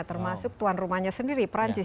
termasuk tuan rumahnya sendiri perancis